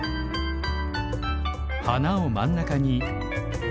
花を真ん中に。